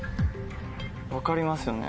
分かりますよね？